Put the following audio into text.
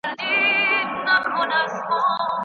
صدقه د هر مسلمان لپاره د خیر او برکت سرچینه ده.